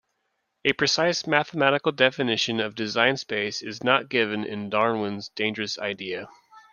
A precise mathematical definition of Design Space is not given in "Darwin's Dangerous Idea".